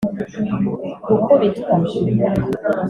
Gukubitwa